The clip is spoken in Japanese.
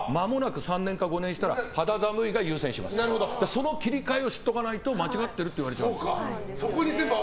その切り替えを知っておかないと間違ってるって言われちゃう。